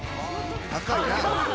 高いな。